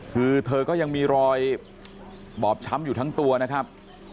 คือเธอก็ยังมีรอยบอบช้ำอยู่ทั้งตัวนะครับ